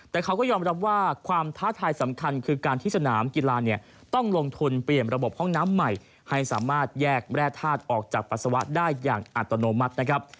แต่เขาก็ยอมรับว่าความท้าทายสำคัญคือการที่สนามกีฬาเนี่ยต้องลงทุนเปลี่ยนระบบห้องน้ำใหม่ให้สามารถแยกแร่ธาตุออกจากปัสสาวะได้อย่างอัตโนมัตินะครับ